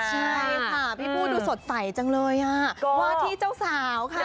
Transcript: ใช่ค่ะพี่ผู้ดูสดใสจังเลยอ่ะว่าที่เจ้าสาวค่ะ